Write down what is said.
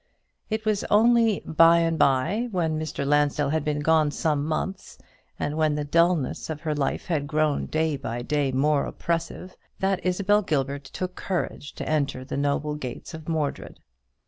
It was only by and by, when Mr. Lansdell had been gone some months, and when the dulness of her life had grown day by day more oppressive, that Isabel Gilbert took courage to enter the noble gates of Mordred.